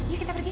yuk kita pergi